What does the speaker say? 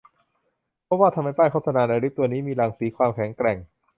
ก็ว่าทำไมป้ายโฆษณาในลิฟต์ตัวนี้มีรังสีความแข็งแกร่ง